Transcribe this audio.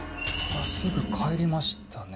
すぐ帰りましたね。